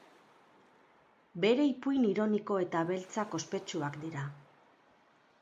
Bere ipuin ironiko eta beltzak ospetsuak dira.